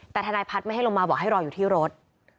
แต่ทนายพัฒน์ไม่ให้ลงมาบอกให้รออยู่ที่รถ